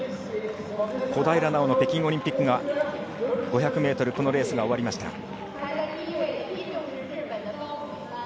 小平奈緒の北京オリンピック５００ｍのレースが終わりました。